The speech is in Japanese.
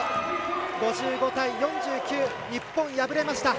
５５対４９、日本、敗れました。